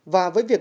và với việc